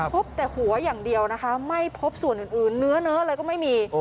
พบแต่หัวอย่างเดียวนะคะไม่พบส่วนอื่นเนื้อเนื้ออะไรก็ไม่มี